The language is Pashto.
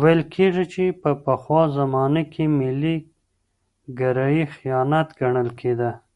ويل کېږي چي په پخوا زمانه کي ملي ګرايي خيانت ګڼل کېده.